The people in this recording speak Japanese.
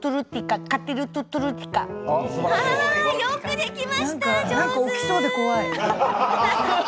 よくできました！